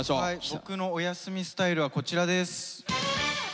「ボクのおやすみスタイル」はこちらです。